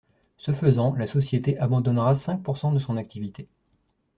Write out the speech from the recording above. Ce faisant la société abandonnera cinq pourcents de son activité.